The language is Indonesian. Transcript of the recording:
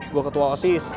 gue ketua osis